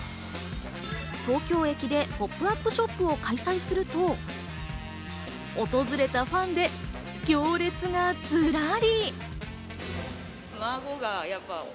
東京駅でポップアップショップを開催すると、訪れたファンで行列がずらり。